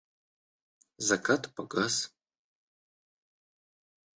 Закат погас.